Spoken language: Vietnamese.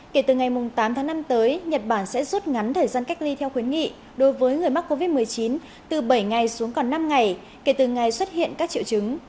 kể từ ngày tám tháng năm tới nhật bản sẽ rút ngắn thời gian cách ly theo khuyến nghị đối với người mắc covid một mươi chín từ bảy ngày xuống còn năm ngày kể từ ngày xuất hiện các triệu chứng